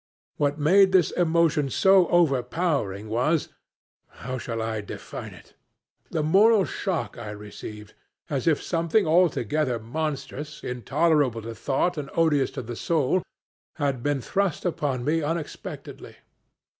What made this emotion so overpowering was how shall I define it? the moral shock I received, as if something altogether monstrous, intolerable to thought and odious to the soul, had been thrust upon me unexpectedly.